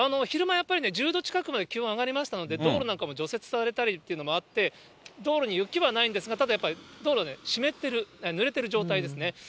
昼間やっぱり１０度近くまで気温上がりましたので、道路なんかも除雪されたりっていうのもあって、道路に雪はないんですが、ただやっぱり道路ね、湿ってる、ぬれてる状態ですね。